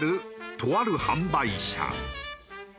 とある販売車。